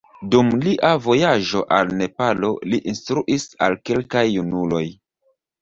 Dum lia vojaĝo al Nepalo, li instruis al kelkaj junuloj.